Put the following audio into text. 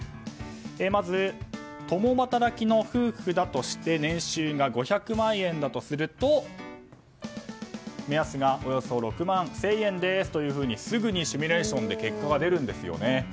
まず共働きの夫婦だとして年収５００万円だとすると目安がおよそ６万１０００円ですとすぐにシミュレーションで結果が出るんですよね。